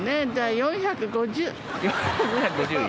４５０位？